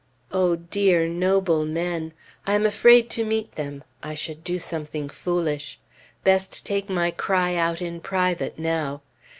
O dear, noble men! I am afraid to meet them; I should do something foolish; best take my cry out in private now.